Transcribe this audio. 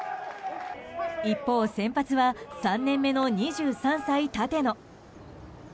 一方、先発は３年目の２３歳、立野。